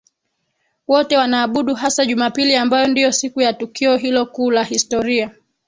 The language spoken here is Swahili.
wote wanaabudu hasa Jumapili ambayo ndiyo siku ya tukio hilo kuu la historia